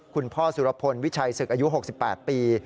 คุณพ่อสุรพลวิชัยศึกอายุ๖๘ปี